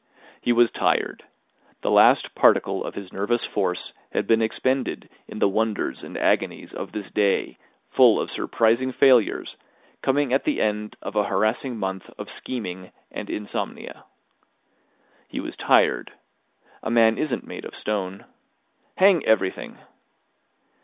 He was tired. The last particle of his nervous force had been expended in the wonders and agonies of this day full of surprising failures coming at the end of a harassing month of scheming and insomnia. He was tired. A man isn't made of stone. Hang everything!